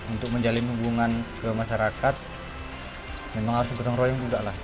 untuk menjalin hubungan ke masyarakat memang harus gotong royong juga lah